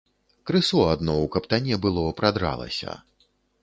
Крысо адно ў каптане было прадралася.